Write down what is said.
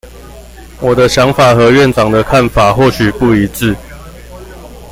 我的想法和院長的看法或許不一致